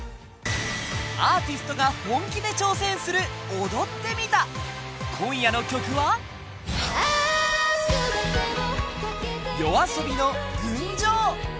アーティストが本気で挑戦する踊ってみた、今夜の曲はＹＯＡＳＯＢＩの「群青」。